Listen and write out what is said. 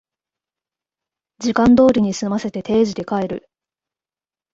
時間通りに済ませて定時で帰る